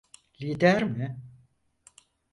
Lider mi?